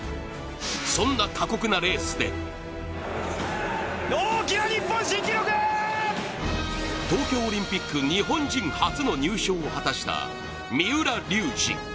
そんな過酷なレースで東京オリンピック日本人初の入賞を果たした三浦龍司。